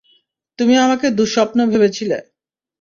তুমি আমাকে দুঃস্বপ্ন ভেবেছিলে।